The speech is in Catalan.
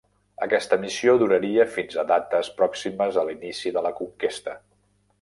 Aquesta missió duraria fins a dates pròximes a l'inici de la conquesta.